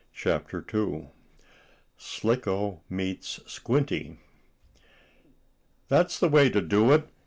CHAPTER II SLICKO MEETS SQUINTY "That's the way to do it!"